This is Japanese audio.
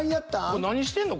これ何してんの？